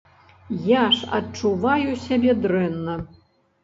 Я ж адчуваю сябе дрэнна.